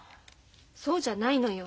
そうじゃないのよ。